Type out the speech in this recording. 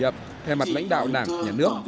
theo mặt lãnh đạo đảng nhà nước